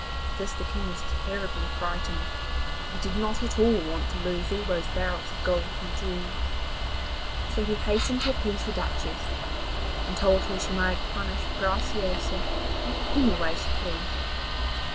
At this the King was terribly frightened, for he did not at all want to lose all those barrels of gold and jewels. So he hastened to appease the Duchess, and told her she might punish Graciosa in any way she pleased.